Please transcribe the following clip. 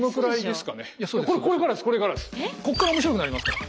こっから面白くなりますから。